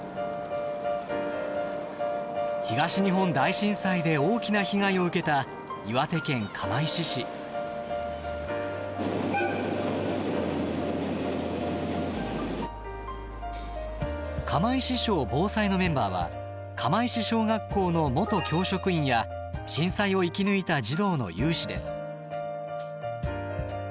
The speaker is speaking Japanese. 東日本大震災で大きな被害を受けた釜石小ぼうさいのメンバーは釜石小学校の元教職員や震災を生き抜いた児童の有志です。